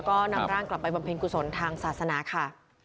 ก็นำร่างกลับไปบำเพ็ญกุศลทางศาสนาค่ะ